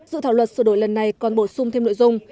dự thảo luật sửa đổi lần này còn bổ sung thêm nội dung